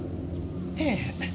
ええ。